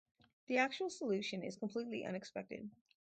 The actual solution is completely unexpected.